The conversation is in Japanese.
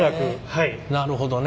なるほどね。